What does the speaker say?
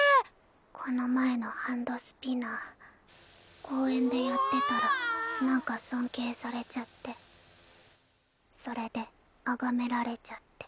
この前のハンドスピナー公園でやってたらなんか尊敬されちゃってそれであがめられちゃって。